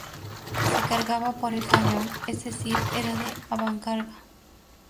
Se cargaba por el cañón, es decir era de avancarga.